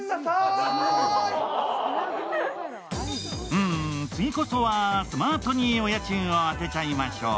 うん、次こそはスマートにお家賃を当てちゃいましょう。